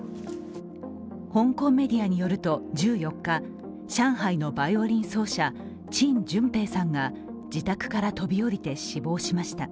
香港メディアによると１４日、上海のバイオリン奏者陳順平さんが自宅から飛び降りて死亡しました。